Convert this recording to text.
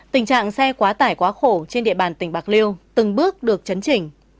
tình trạng xe quá tải quá khổ trên địa bàn tỉnh bạc liêu từng bước được chấn chỉnh